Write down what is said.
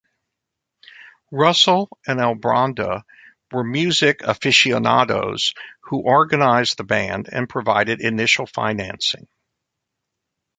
Russell and Albronda were music aficionados who organized the band and provided initial financing.